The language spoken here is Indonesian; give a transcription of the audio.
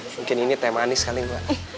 mungkin ini teh manis kali mbak